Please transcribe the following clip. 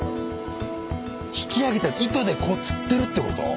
引き上げて糸でこうつってるってこと？